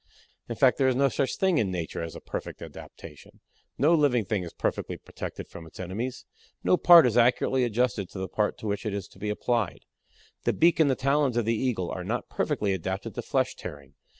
In fact there is no such thing in Nature as a perfect adaptation. No living thing is perfectly protected from its enemies. No part is accurately adjusted to the part to which it is to be applied. The beak and talons of the Eagle are not perfectly adapted to flesh tearing.